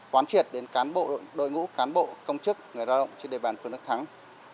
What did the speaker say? quán triệt đến đôi ngũ cán bộ công chức người ra động trên địa bàn phương đức thắng